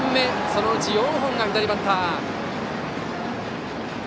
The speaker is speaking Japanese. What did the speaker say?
そのうち４本が左バッター。